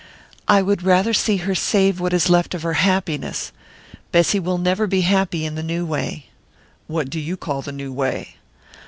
"I would rather see her save what is left of her happiness. Bessy will never be happy in the new way." "What do you call the new way?"